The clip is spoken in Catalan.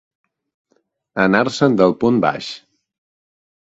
Anar-se'n del punt baix.